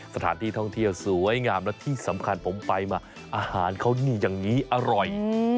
สถานที่ท่องเที่ยวสวยงามและที่สำคัญผมไปมาอาหารเขานี่อย่างนี้อร่อย